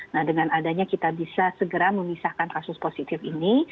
nah dengan adanya kita bisa segera memisahkan kasus positif ini